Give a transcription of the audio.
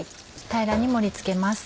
平らに盛り付けます。